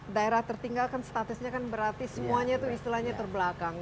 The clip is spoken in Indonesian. daerah tertinggal kan statusnya kan berarti semuanya itu istilahnya terbelakang